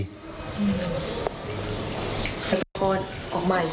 แต่ก็ยังแปลกใจแปลกใจมากเลยแหละ